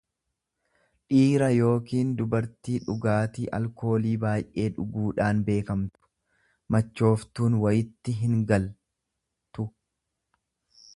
dhiira yookiin dubartii dhugaatii alkoolii baay'ee dhuguudhaan beekamtu; Machooftuun wayitti hingal tu.